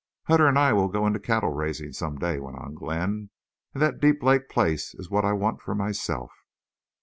"Hutter and I will go into cattle raising some day," went on Glenn. "And that Deep Lake place is what I want for myself."